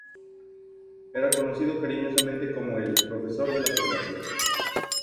Era conocido cariñosamente como el "Profesor de la Generación".